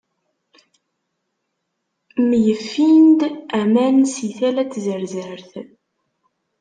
Myeffin-d aman si tala n tzerzert.